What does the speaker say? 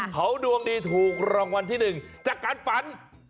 ข่าวดวงดีถูกรางวัลที่หนึ่งจากการฝัน